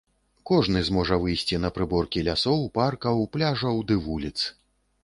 Кожны зможа выйсці на прыборкі лясоў, паркаў, пляжаў ды вуліц.